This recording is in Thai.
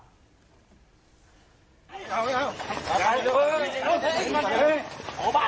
เงินบ้านเมล็ดบร้อยไก่ใกล้